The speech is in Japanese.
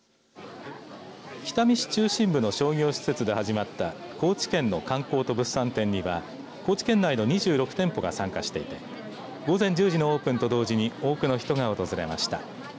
北見市中心部の商業施設で始まった高知県の観光と物産展には高知県内の２６店舗が参加していて午前１０時のオープンと同時に多くの人が訪れました。